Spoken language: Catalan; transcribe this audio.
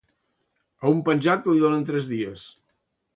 A un penjat li donen tres dies.